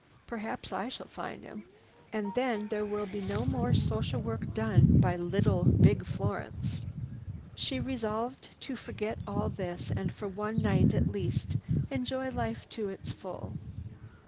Perhaps I shall find him. And then there will be no more social work done by little, big Florence." She resolved to forget all this and, for one night at least, enjoy life to its full.